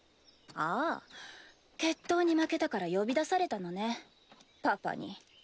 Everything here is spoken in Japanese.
ああ決闘に負けたから呼び出されたのねパパに。